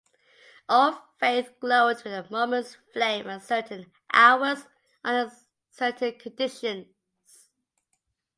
Old faiths glowed with a moment's flame at certain hours under certain conditions.